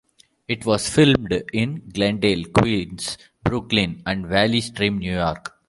It was filmed in Glendale, Queens; Brooklyn; and Valley Stream, New York.